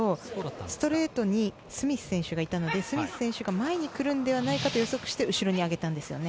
ストレートにスミス選手がいたのでスミス選手が前に来るのではないかと予測して後ろに上げたんですよね。